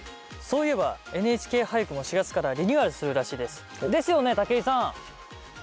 そういえば「ＮＨＫ俳句」も４月からリニューアルするらしいです。ですよね？